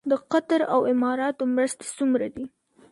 د قطر او اماراتو مرستې څومره دي؟